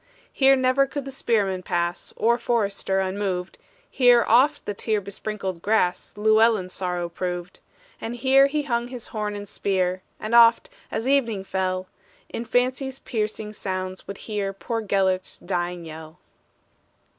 Here never could the spearmen pass, Or forester, unmoved, Here oft the tear besprinkled grass Llewellyn's sorrow proved. And here he hung his horn and spear, And oft, as evening fell, In fancy's piercing sounds would hear Poor Gelert's dying yell.